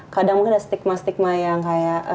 kadang mungkin ada stigma stigma yang kayak